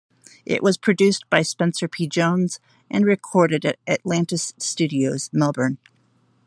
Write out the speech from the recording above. It was produced by Spencer P. Jones and recorded at Atlantis Studios, Melbourne.